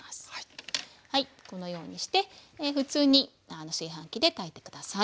このようにして普通に炊飯器で炊いて下さい。